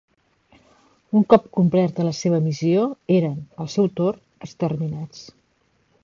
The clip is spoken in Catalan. Un cop complerta la seva missió eren, al seu torn, exterminats.